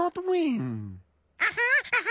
アハハハ。